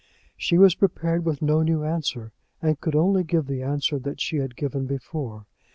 She was prepared with no new answer, and could only give the answer that she had given before.